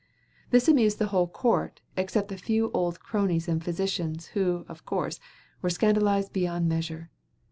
This amused the whole court, except a few old cronies and physicians, who, of course, were scandalized beyond measure.